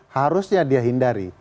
harusnya dia hindari